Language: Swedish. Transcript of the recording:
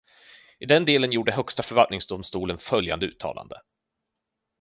I den delen gjorde Högsta förvaltningsdomstolen följande uttalande.